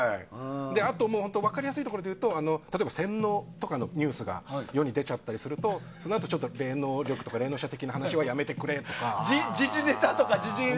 あと分かりやすいところで言うと例えば洗脳とかのニュースが世に出ちゃったりするとそのあと霊能力とか霊能者的な話はやめてくれとか。